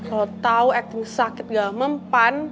kalo tau acting sakit gak mempan